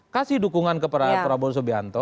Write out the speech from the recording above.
kasih dukungan kepada prabowo subianto